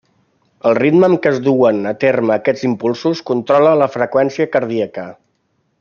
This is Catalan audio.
El ritme amb què es duen a terme aquests impulsos controla la freqüència cardíaca.